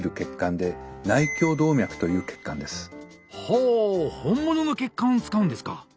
ほ本物の血管を使うんですか。